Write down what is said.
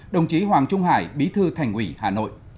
đồng chí hoàng trung hải bí thư thành ủy hà nội